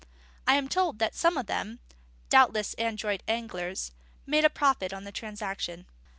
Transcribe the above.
I am told that some of them (doubtless adroit anglers) made a profit on the transaction.